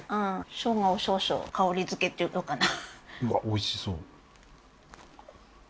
生姜を少々香りづけっていうのかな